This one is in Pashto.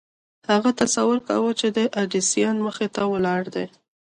هغه تصور کاوه چې د ايډېسن مخې ته ولاړ دی.